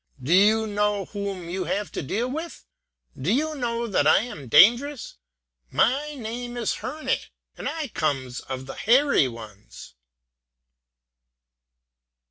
Do you know whom you have to deal with? Do you know that I am dangerous? My name is Herne, and I comes of the Hairy Ones!"